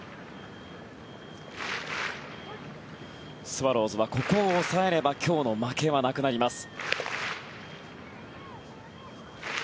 スワローズはここを抑えれば今日の負けはなくなります。